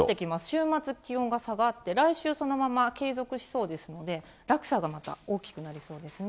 週末気温が下がって、来週そのまま継続しそうですので、落差がまた大きくなりそうですね。